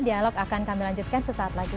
dialog akan kami lanjutkan sesaat lagi